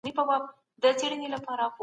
سفیر د خبرو اترو مهارت لري.